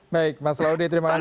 baik mas laude terima kasih